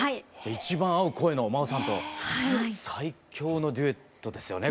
一番合う声のマオさんと最強のデュエットですよね